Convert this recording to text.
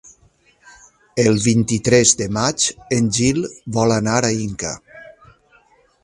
El vint-i-tres de maig en Gil vol anar a Inca.